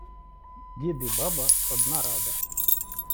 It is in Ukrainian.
дід і баба – одна рада